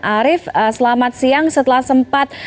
arief selamat siang setelah sempat